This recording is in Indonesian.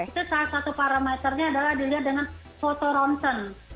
itu salah satu parameternya adalah dilihat dengan foto ronsen